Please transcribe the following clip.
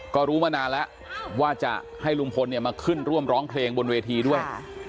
ก็รู้มานานแล้วว่าจะให้ลุงพลเนี่ยมาขึ้นร่วมร้องเพลงบนเวทีด้วย